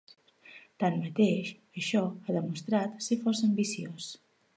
Tanmateix, això ha demostrat ser força ambiciós.